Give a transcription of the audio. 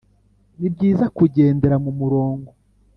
nibyiza kugendera mumurongo